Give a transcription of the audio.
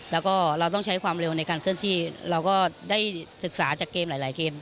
แล้วก็เราต้องใช้ความเร็วในการเคลื่อนที่เราก็ได้ศึกษาจากเกมหลายเกม